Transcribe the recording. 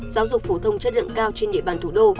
giáo dục phổ thông chất lượng cao trên địa bàn thủ đô